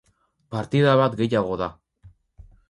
Partida bat gehiago da.